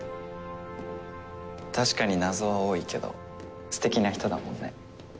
確かに謎は多いけどステキな人だもんね。